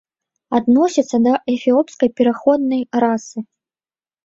Адносяцца да эфіопскай пераходнай расы.